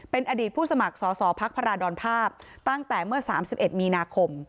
เป็นอดีตผู้สมัครสอสอพักพระราดรภาพตั้งแต่เมื่อ๓๑มีนาคม